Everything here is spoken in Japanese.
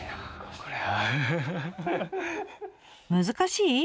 難しい？